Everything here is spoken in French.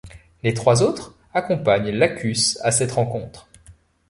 Les trois autres accompagnent Lacus à cette rencontre.